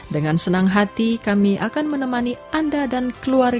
dengan senang hati kami akan menemani anda dan keluarga